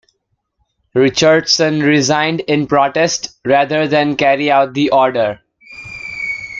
Richardson resigned in protest rather than carry out the order.